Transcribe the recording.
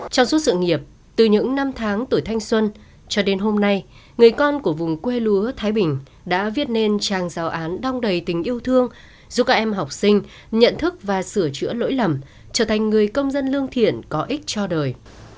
trong suốt sự nghiệp từ những năm tháng tuổi thanh xuân cho đến hôm nay người con của vùng quê lúa thái bình đã viết nên trang giáo án đong đầy tình yêu thương giúp các em học sinh nhận thức và sửa chữa lỗi lầm trở thành người công dân lương thiện có ích cho đời